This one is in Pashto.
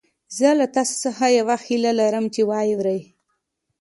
زه له تاسو څخه يوه هيله لرم چې يې واورئ.